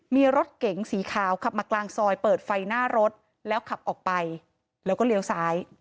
มีรถเก๋งสีขาวขับมากลางซอยเปิดไฟหน้ารถแล้วขับออกไปแล้วก็เลี้ยวซ้าย